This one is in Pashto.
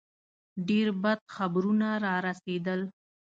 ډېر بد خبرونه را رسېدل.